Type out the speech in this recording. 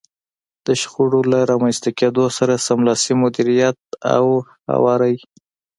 د شخړو له رامنځته کېدو سره سملاسي مديريت او هواری.